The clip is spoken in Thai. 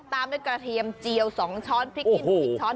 ตามด้วยกระเทียมเจียว๒ช้อนพริกอินช้อน